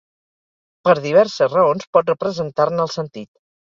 per diverses raons pot representar-ne el sentit